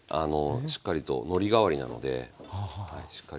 しっかりとのり代わりなのでしっかりつくと思います。